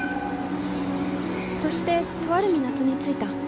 そしてとある港に着いた。